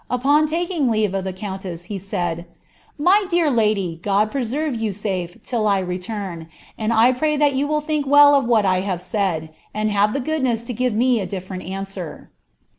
Upon taking leave of the countess, he said, 'My dear lady, God preserve you safe till t retuin, and 1 pray that rou will think well of what 1 have said, and have the goodness to give me ■ diflereni answer.'